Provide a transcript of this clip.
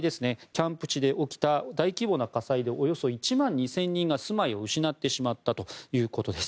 キャンプ地で起きた大規模な火災でおよそ１万２０００人が住まいを失ってしまったということです。